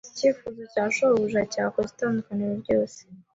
Icyifuzo cya shobuja cyakoze itandukaniro ryose.